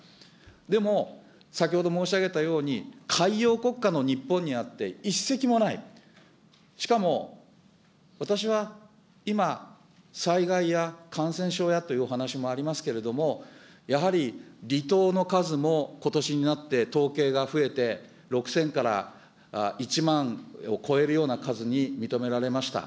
でも、先ほど申し上げたように、海洋国家の日本にあって、一隻もない、しかも、私は今、災害や感染症やというお話もありますけれども、やはり離島の数もことしになって、統計が増えて６０００から１万を超えるような数に認められました。